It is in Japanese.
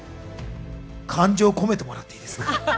感情込めてもらっていいですか？